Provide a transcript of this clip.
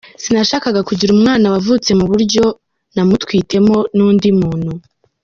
Sinashakaga kugira umwana wavutse mu buryo namutwitiwemo n'undi muntu".